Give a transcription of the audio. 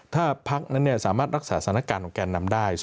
ถ้าพักนั้นสามารถรักษาสถานการณ์ของแกนนำได้